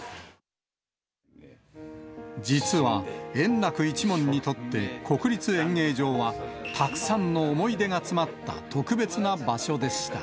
実は、円楽一門にとって国立演芸場は、たくさんの思い出が詰まった特別な場所でした。